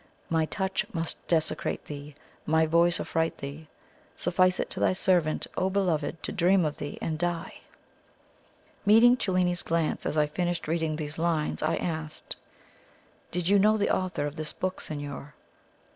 My touch must desecrate thee, my voice affright thee. Suffice it to thy servant, O Beloved, to dream of thee and die!" Meeting Cellini's glance as I finished reading these lines, I asked: "Did you know the author of this book, signor?"